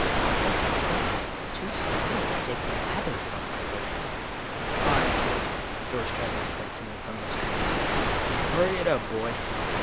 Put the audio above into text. I pressed "Accept," too startled to take the lather from my face. "Hi, Gyp," George Kelly said to me from the screen. "Hurry it up, boy."